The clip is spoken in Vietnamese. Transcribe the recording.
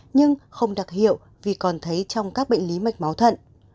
nhưng không đặc hiệu vì còn thấy trong các bệnh lý mạch máu thận